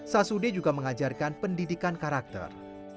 sasudi juga mengajarkan pendidikan karakter